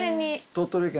鳥取県。